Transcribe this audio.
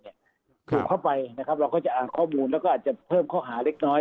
ถูกเข้าไปนะครับเราก็จะอ่านข้อมูลแล้วก็อาจจะเพิ่มข้อหาเล็กน้อย